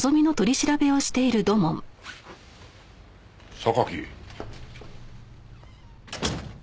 榊。